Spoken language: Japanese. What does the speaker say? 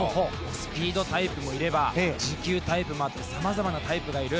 スピードタイプもいれば持久タイプもいてさまざまなタイプがいる。